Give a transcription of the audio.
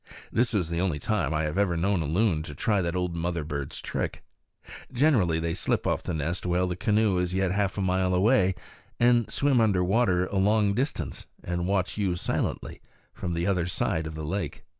This was the only time I have ever known a loon to try that old mother bird's trick. Generally they slip off the nest while the canoe is yet half a mile away, and swim under water a long distance, and watch you silently from the other side of the lake.